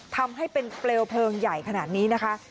ทำให้เป็นเปลวเพลิงใหญ่ขนาดนี้นะคะ